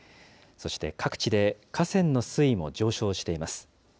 そして各地で河川の水位も上昇しています。